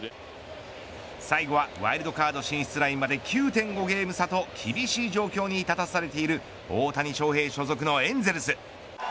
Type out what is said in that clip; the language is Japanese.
最後はワイルドカード進出ラインまで９．５ゲーム差と厳しい状況に立たされている大谷翔平所属のエンゼルス。